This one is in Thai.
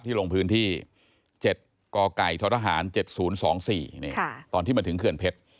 ที่ลงพื้นที่๗กก๗๐๒๔ตอนที่มาถึงเคลื่อนเพชร